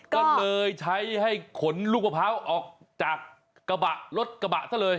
ก็เลยใช้ให้ขนลูกมะพร้าวออกจากกระบะรถกระบะซะเลย